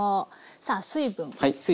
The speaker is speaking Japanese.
さあ水分。